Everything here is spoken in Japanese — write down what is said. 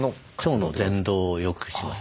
腸のぜん動をよくします。